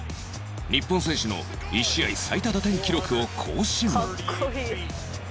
日本選手の１試合最多打点記録を更新